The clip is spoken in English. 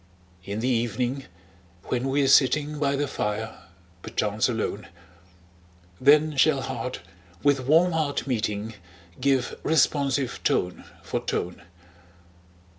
In the evening, when we're sitting By the fire, perchance alone, Then shall heart with warm heart meeting, Give responsive tone for tone.